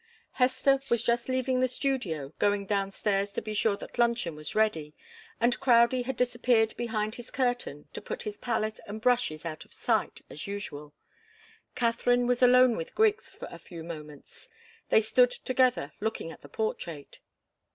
Hester was just leaving the studio, going downstairs to be sure that luncheon was ready, and Crowdie had disappeared behind his curtain to put his palette and brushes out of sight, as usual. Katharine was alone with Griggs for a few moments. They stood together, looking at the portrait.